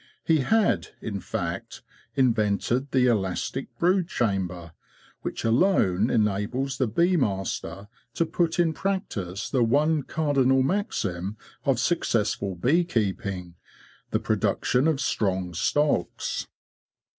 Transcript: He had, in fact, invented the elastic brood chamber, which alone enables the bee master to put in practice the one cardinal maxim of successful bee keeping—the production of strong stocks.